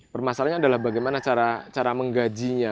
permasalahannya adalah bagaimana cara menggajinya